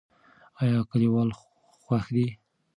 ایا کلیوال خوښ دي؟